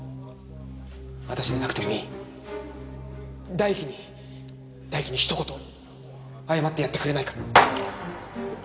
私でなくてもいい大樹に大樹にひと言謝ってやってくれないか？